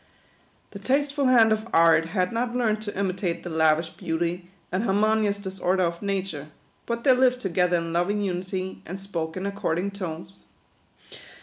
Ths tasteful hand of Art had not learned to imitate the lavish beauty and har monious disorder of Nature, but they lived together in loving unity, and spoke in according tones.